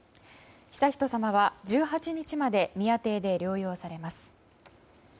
悠仁さまは１８日まで宮邸で療養されます。